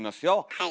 はい。